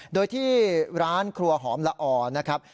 โดยที่ร้านครัวหอมละออนะครับ